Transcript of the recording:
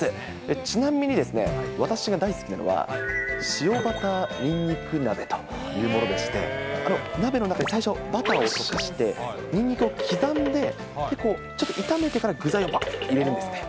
ちなみに私が大好きなのは、塩バターにんにく鍋というものでして、鍋の中に最初バターを溶かして、にんにくを刻んで、ちょっと炒めてから具材を入れるんですね。